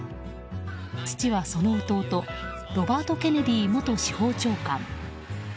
父は、その弟ロバート・ケネディ元司法長官。